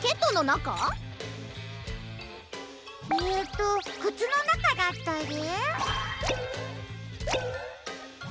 えっとくつのなかだったり？